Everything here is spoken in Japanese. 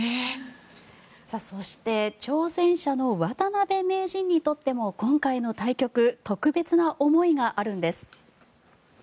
そして挑戦者の渡辺名人にとっても今回の対局特別な思いがあるんです。